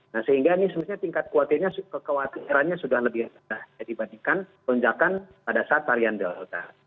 nah sehingga ini sebenarnya tingkat kekhawatirannya sudah lebih rendah dibandingkan lonjakan pada saat varian delta